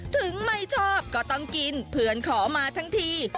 ถึงไม่ชอบก็กินเพื่อนขอมาทั้งที